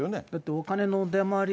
お金の出回り